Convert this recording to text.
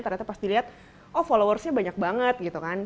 ternyata pas dilihat oh followersnya banyak banget gitu kan